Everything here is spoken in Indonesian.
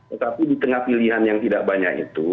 tetapi di tengah pilihan yang tidak banyak itu